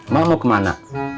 ma mau kemana